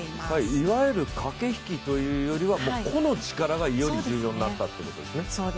いわゆる駆け引きというよりは個の力がより重要になったということですね。